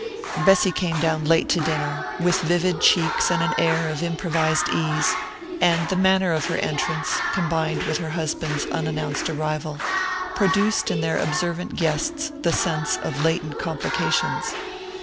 Bessy came down late to dinner, with vivid cheeks and an air of improvised ease; and the manner of her entrance, combined with her husband's unannounced arrival, produced in their observant guests the sense of latent complications.